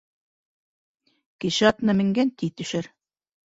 Кеше атына менгән тиҙ төшәр.